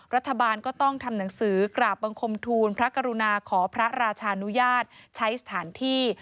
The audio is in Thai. รัฐบาลก็ต้องทำหนังสือกราบบังคมทูลพระกรุณาขอพระราชานุญาตใช้สถานที่